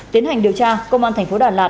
tiến hành điều tra công an tp đà lạt